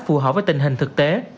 phù hợp với tình hình thực tế